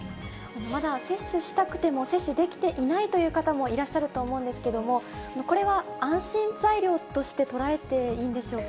まだ接種したくても接種できていないという方もいらっしゃると思うんですけれども、これは安心材料として捉えていいんでしょうか。